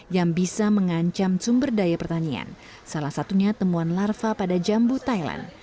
yang bisa mengancam sumber daya pertanian salah satunya temuan larva pada jambu thailand